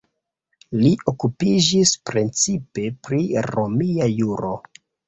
Li okupiĝis precipe pri romia juro.